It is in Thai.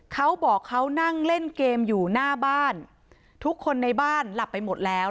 เขาบอกเขานั่งเล่นเกมอยู่หน้าบ้านทุกคนในบ้านหลับไปหมดแล้ว